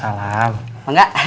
sierah sierah kita tadi